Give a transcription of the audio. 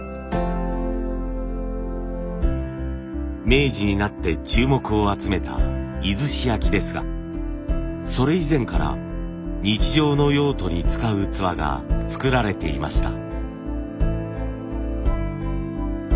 明治になって注目を集めた出石焼ですがそれ以前から日常の用途に使う器が作られていました。